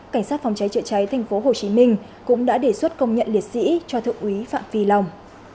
cảnh sát phòng cháy chữa cháy tp hcm cũng đã đề xuất công nhận liệt sĩ cho thượng úy phạm phi long